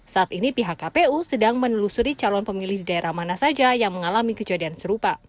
saat ini pihak kpu sedang menelusuri calon pemilih di daerah mana saja yang mengalami kejadian serupa